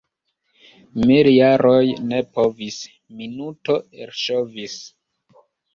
Miljaroj ne povis, — minuto elŝovis.